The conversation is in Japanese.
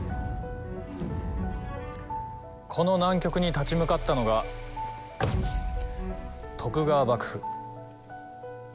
この難局に立ち向かったのが徳川幕府。